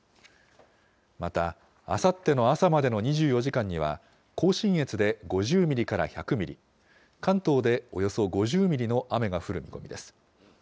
また、あさっての朝までの２４時間には、甲信越で５０ミリから１００ミリ、関東でおよそ５０ミリの雨が降る見込みです。